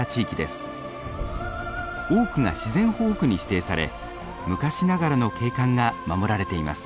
多くが自然保護区に指定され昔ながらの景観が守られています。